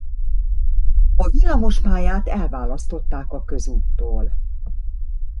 A villamospályát elválasztották a közúttól.